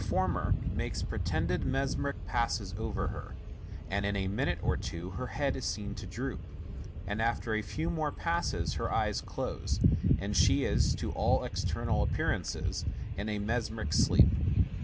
former makes pretended mesmeric passes over her, and in a minute or two her head is seen to droop, and after a few more passes her eyes close, and she is, to all external appearance, in a mesmeric sleep.